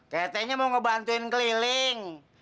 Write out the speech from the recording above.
teteknya mau ngebantuin keliling